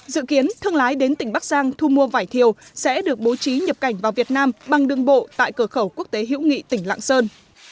dự kiến thương lái đến tỉnh bắc giang thu mua vải thiều sẽ được bố trí nhập cảnh vào việt nam bằng đường bộ tại cửa khẩu quốc tế hữu nghị tỉnh lạng sơn